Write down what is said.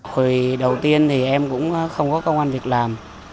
hồi đầu tiên thì em cũng không có công an việc làm